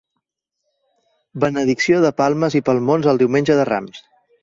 Benedicció de palmes i palmons el Diumenge de Rams.